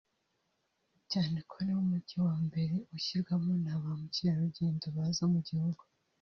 cyane ko ariwo mujyi wa mbere ushyikirwamo na ba mukerarugendo baza mu mu gihugu